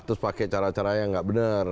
terus pakai cara caranya yang gak bener